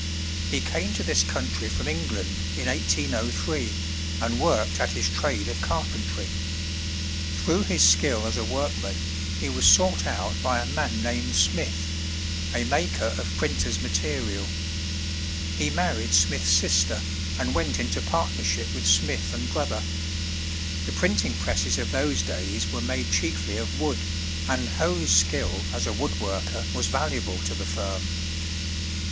He came to this country from England in 1803, and worked at his trade of carpentry. Through his skill as a workman he was sought out by a man named Smith, a maker of printer's material. He married Smith's sister, and went into partnership with Smith and brother. The printing presses of those days were made chiefly of wood, and Hoe's skill as a wood worker was valuable to the firm.